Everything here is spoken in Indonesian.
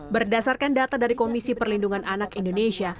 berdasarkan data dari komisi perlindungan anak indonesia